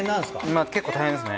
まあ結構大変ですね。